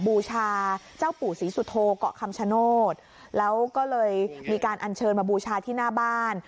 บูชาเจ้าปู่ศรีสุโธเกาะคำชโนธแล้วก็เลยมีการอัญเชิญมาบูชาที่หน้าบ้าน